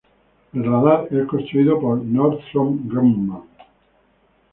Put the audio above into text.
El radar es construido por Northrop Grumman.